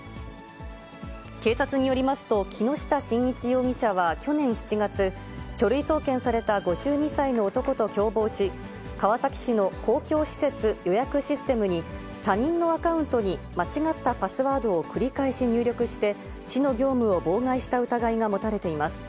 警察によりますと、木下伸一容疑者は去年７月、書類送検された５２歳の男と共謀し、川崎市の公共施設予約システムに、他人のアカウントに間違ったパスワードを繰り返し入力して、市の業務を妨害した疑いが持たれています。